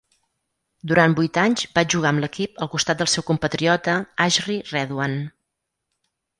Durant vuit anys, va jugar amb l'equip al costat del seu compatriota Hajry Redouane.